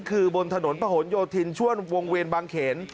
คือบนถนนผนโยธินช่วงวงเวียนบางเขน